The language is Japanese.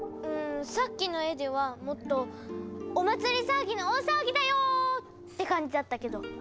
うんさっきの絵ではもっとお祭りさわぎの大さわぎだよ！って感じだったけど。